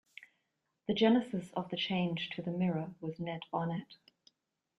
The genesis of the change to The Mirror, was Ned Barnett.